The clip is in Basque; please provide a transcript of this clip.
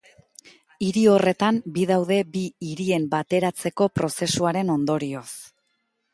Hiri horretan bi daude bi hirien bateratzeko prozesuaren ondorioz.